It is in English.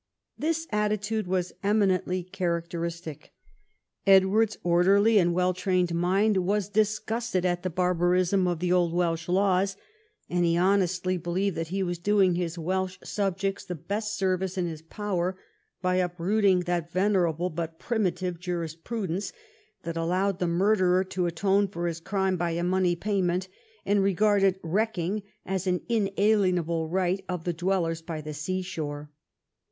This attitude was eminently characteristic. Edward's orderly and well trained mind was disgusted at the barbarism of the old Welsh laws, and he honestly believed that he was doing his Welsh subjects the best service in his power in uprooting that venerable but primitive jurisprudence that allowed the murderer to atone for his crime by a money payment, and regarded wrecking as an unalienable right of the dwellers by the sea shore.